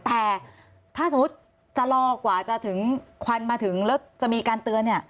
แต่ถ้าสมมุติจะรอกว่าจะถึงควันมาถึงแล้วจะมีการเตือนเนี่ย